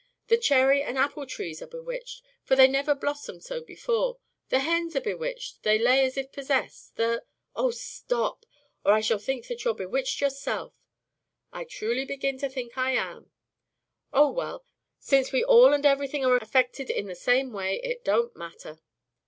The cherry and apple trees are bewitched, for they never blossomed so before; the hens are bewitched, they lay as if possessed; the " "Oh, stop! Or I shall think that you're bewitched yourself." "I truly begin to think I am." "Oh, well! Since we all and everything are affected in the same way, it don't matter."